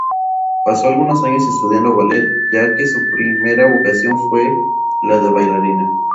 Pasó algunos años estudiando ballet, ya que su primera vocación fue la de bailarina.